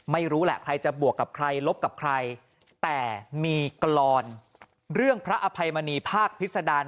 ไม่รู้แหละใครจะบวกกับใครลบกับใครแต่มีกรอนเรื่องพระอภัยมณีภาคพิษดาร